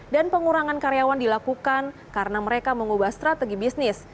dan pengurangan karyawan dilakukan karena mereka mengubah strategi bisnis